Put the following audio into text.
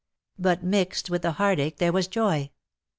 But mixed with the heartache there was joy.